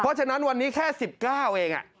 เพราะฉะนั้นวันนี้แค่๑๙เอง